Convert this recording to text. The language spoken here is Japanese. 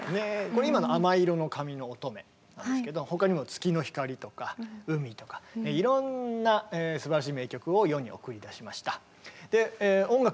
これ今の「亜麻色の髪のおとめ」なんですけど他にも「月の光」とか「海」とかいろんなすばらしい名曲を世に送り出しました。